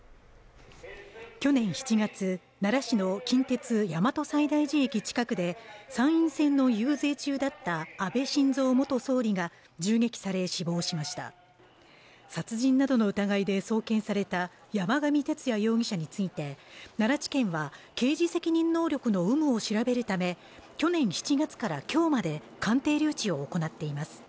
去年７月奈良市の近鉄大和西大寺駅近くで参院選の遊説中だった安倍晋三元総理が銃撃され死亡しました殺人などの疑いで送検された山上徹也容疑者について奈良地検は刑事責任能力の有無を調べるため去年７月から今日まで鑑定留置を行っています